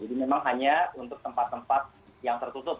jadi memang hanya untuk tempat tempat yang tertutup